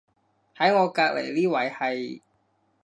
喺我隔離呢位係